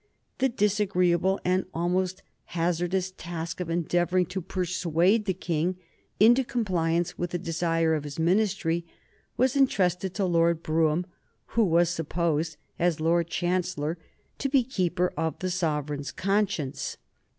The disagreeable and almost hazardous task of endeavoring to persuade the King into compliance with the desire of his Ministry was entrusted to Lord Brougham, who was supposed, as Lord Chancellor, to be keeper of the sovereign's conscience.